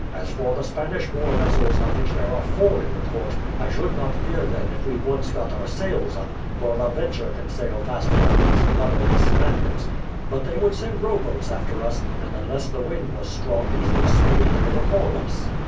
As for the Spanish war vessels, of which there are four in the port, I should not fear them if we once got our sails up, for the Venture can sail faster than these lubberly Spaniards; but they would send rowboats after us, and unless the wind was strong these would speedily overhaul us."